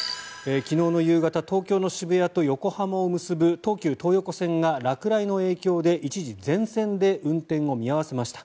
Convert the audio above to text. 昨日の夕方、東京の渋谷と横浜を結ぶ東京東横線が落雷の影響で、一時、全線で運転を見合わせました。